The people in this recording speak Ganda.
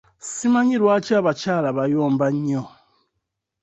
Simanyi lwaki abakyala bayomba nnyo?